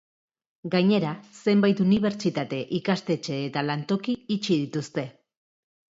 Gainera, zenbait unibertsitate, ikastetxe eta lantoki itxi dituzte.